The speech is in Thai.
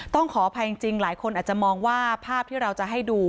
ขออภัยจริงหลายคนอาจจะมองว่าภาพที่เราจะให้ดู